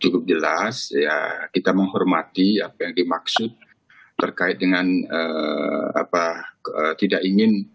cukup jelas ya kita menghormati apa yang dimaksud terkait dengan apa tidak ingin